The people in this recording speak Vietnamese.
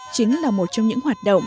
chính là một trong những hoạt động